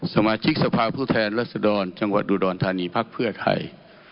สมาชิกสภาพุทธแหละสดรจังหวัดดูดรธานีพรรคเพื่อไทย